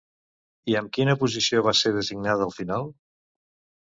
I amb quina posició va ser designada al final?